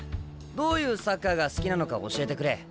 どういうサッカーが好きなのか教えてくれ。